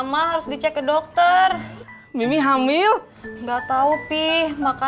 lalu batik gambar